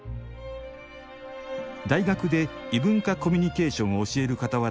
大学で異文化コミュニケーションを教えるかたわら